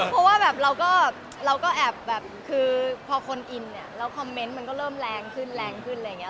เพราะว่าเราก็แอบพอคนอินแล้วคอมเม้นต์มันก็เริ่มแรงขึ้นอะไรอย่างนี้